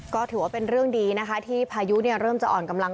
ก็ถือว่าเป็นเรื่องดีนะคะที่พายุเริ่มจะอ่อนกำลัง